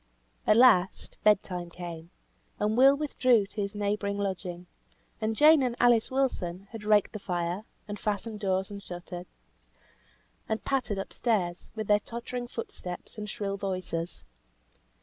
At last, bed time came; and Will withdrew to his neighbouring lodging; and Jane and Alice Wilson had raked the fire, and fastened doors and shutters, and pattered up stairs, with their tottering foot steps, and shrill voices.